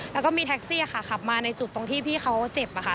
แล้วก็มีแท็กซี่ค่ะขับมาในจุดตรงที่พี่เขาเจ็บอะค่ะ